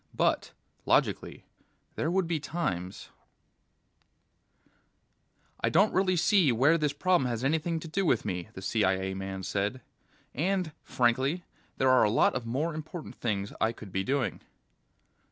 But, logically, there would be times BY BEN BOVA "I don't really see where this problem has anything to do with me," the CIA man said. "And, frankly, there are a lot of more important things I could be doing."